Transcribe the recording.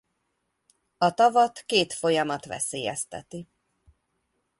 A tavat két folyamat veszélyezteti.